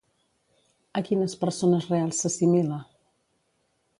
A quines persones reals s'assimila?